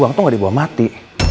uang tuh gak dibawa mati